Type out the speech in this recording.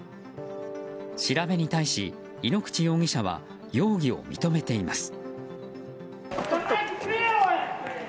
調べに対し、井ノ口容疑者は容疑を認めています。